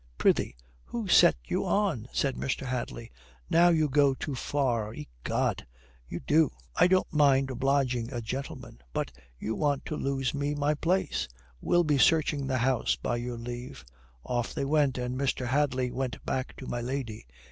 "Prithee, who set you on?" says Mr. Hadley. "Now you go too far, ecod, you do. I don't mind obliging a gentleman, but you want to lose me my place. We'll be searching the house, by your leave." Off they went, and Mr. Hadley went back to my lady.